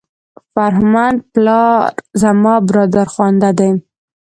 فرهمند پلار زما برادرخوانده دی.